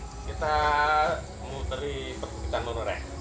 kita mau dari pegunungan menoreh